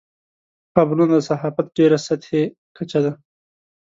خبرونه د صحافت ډېره سطحي کچه ده.